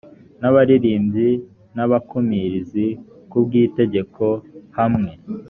n abaririmbyi n abakumirizi ku bw itegeko hamwe